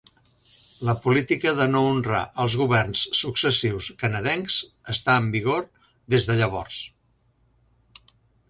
La política de no honrar els governs successius canadencs està en vigor des de llavors.